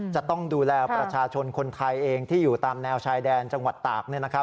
จะต้องดูแลประชาชนคนไทยเองที่อยู่ตามแนวชายแดนจังหวัดตาก